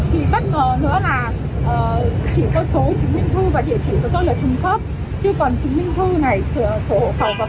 thì bất ngờ nữa là chỉ có số chứng minh thư và địa chỉ của tôi là trung pháp